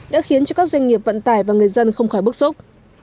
đã khiến cho các doanh nghiệp vận tải và người dân không khỏi bức xúc